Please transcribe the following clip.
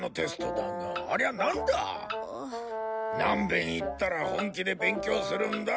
なんべん言ったら本気で勉強するんだ？